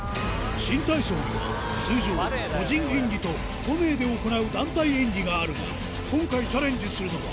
新体操では通常個人演技と５名で行う団体演技があるが今回チャレンジするのは